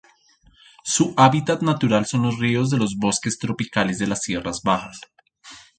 Su hábitat natural son los ríos de los bosques tropicales de las tierras bajas.